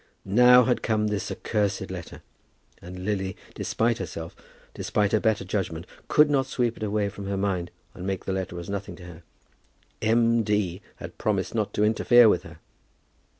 Now had come this accursed letter, and Lily, despite herself, despite her better judgment, could not sweep it away from her mind and make the letter as nothing to her. M. D. had promised not to interfere with her!